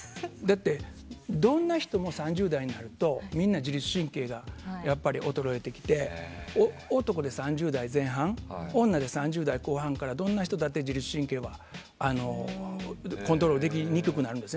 どんな人も３０代になるとみんな自律神経が衰えてきて男で３０代前半女で３０代後半からどんな人だって自律神経はコントロールできにくくなるんですね。